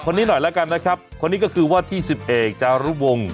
คนนี้หน่อยแล้วกันนะครับคนนี้ก็คือว่าที่สิบเอกจารุวงศ์